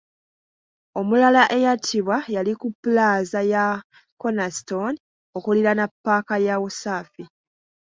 Omulala eyattibwa yali ku ppulaaza ya Kornerstone , okuliraana ppaaka ya Usafi .